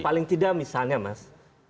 paling tidak misalnya mas